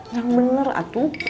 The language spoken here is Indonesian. yang bener atuh